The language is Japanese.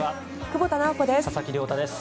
久保田直子です。